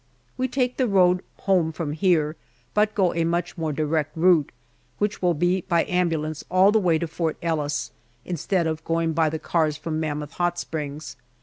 We take the road home from here, but go a much more direct route, which will be by ambulance all the way to Fort Ellis, instead of going by the cars from Mammoth Hot Springs.